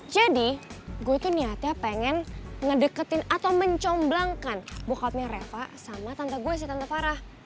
jadi gue tuh niatnya pengen ngedeketin atau mencomblangkan bokapnya reva sama tante gue sih tante farah